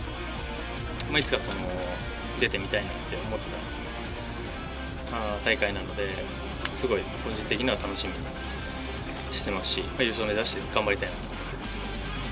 いつか出てみたいなって思ってた大会なので、すごい、個人的には楽しみにしてますし、優勝を目指して頑張りたいなと思います。